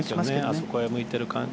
あそこへ向いてる感じ。